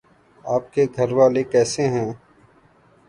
آپ کے گھر والے کیسے ہے